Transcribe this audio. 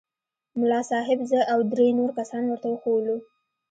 ملا صاحب زه او درې نور کسان ورته وښوولو.